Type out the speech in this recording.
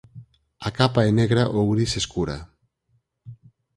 A capa é negra ou gris escura.